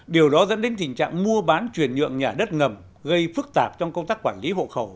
điều đó dẫn đến tình trạng mua bán chuyển nhượng nhà đất ngầm gây phức tạp trong công tác quản lý hộ khẩu